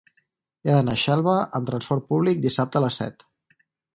He d'anar a Xelva amb transport públic dissabte a les set.